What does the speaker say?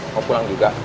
mau pulang juga